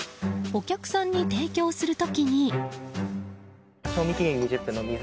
お客さんに提供する時に。